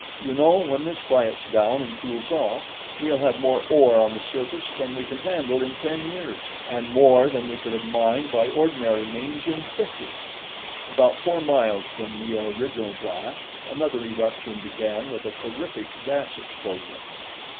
You know, when this quiets down and cools off, we'll have more ore on the surface than we can handle in ten years, and more than we could have mined by ordinary means in fifty." About four miles from the original blast, another eruption began with a terrific gas explosion.